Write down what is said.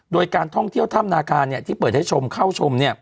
โดยการท่องเที่ยวถ้ำนาคาที่เปิดให้ชมเข้าชม